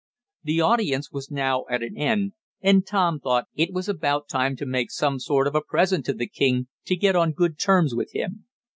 The audience was now at an end, and Tom thought it was about time to make some sort of a present to the king to get on good terms with him.